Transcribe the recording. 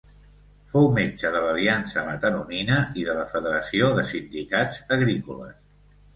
Fou metge de l'Aliança Mataronina i de la Federació de Sindicats Agrícoles.